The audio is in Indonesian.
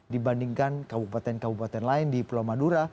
dibandingkan kabupaten kabupaten lain di pulau madura